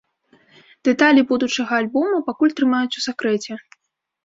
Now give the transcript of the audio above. Дэталі будучага альбома пакуль трымаюць у сакрэце.